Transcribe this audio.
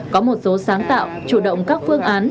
có một số sáng tạo chủ động các phương án